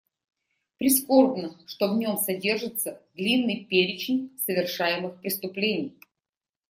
Прискорбно, что в нем содержится длинный перечень совершаемых преступлений.